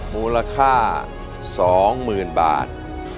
มูลค่า๒๐๐๐๐บาท